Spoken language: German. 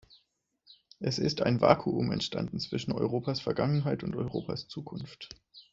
Es ist ein Vakuum entstanden zwischen Europas Vergangenheit und Europas Zukunft."